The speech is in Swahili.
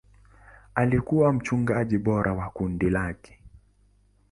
Alikuwa mchungaji bora wa kundi lake.